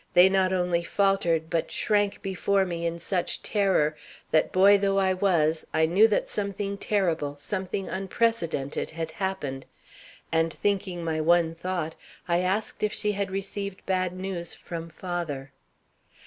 they not only faltered, but shrank before me in such terror, that, boy though I was, I knew that something terrible, something unprecedented had happened, and thinking my one thought, I asked if she had received bad news from father.